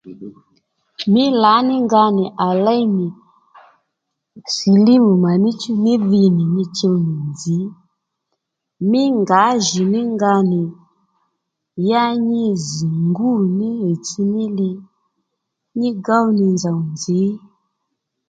Mí lǎní nga nì à léy nì silimu mà ní chú mí dhi nì li chùw nzǐ mí ngǎjì-ní-nga nì ya nyi zz̀ ngùní ɦìytss ní li nyi gow nì nzòw nzǐ